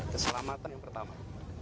keselamatan yang pertama